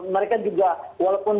mereka juga walaupun